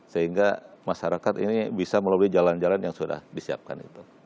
sehingga masyarakat ini bisa melalui jalan jalan yang sudah disiapkan itu